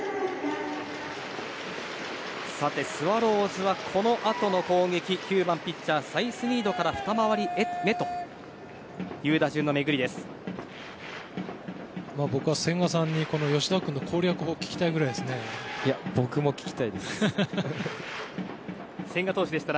さて、スワローズはこのあとの攻撃９番ピッチャーサイスニードから二回り目という打順の巡りです。